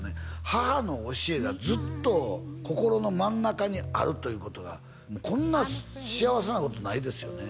母の教えがずっと心の真ん中にあるということがこんな幸せなことないですよね